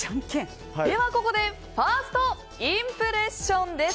ではここでファーストインプレッションです。